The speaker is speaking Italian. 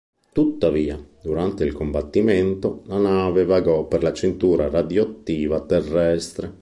Tuttavia, durante il combattimento, la nave vagò per la cintura radioattiva terrestre.